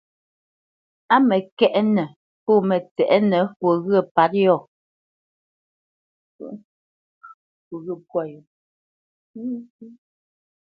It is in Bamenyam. Á mǝkwɛʼnǝ po mǝtsɛʼnǝ fwo ghǝ̌ pwǎ yó.